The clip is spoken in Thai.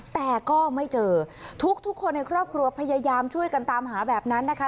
แต่ก็ไม่เจอทุกคนในครอบครัวพยายามช่วยกันตามหาแบบนั้นนะคะ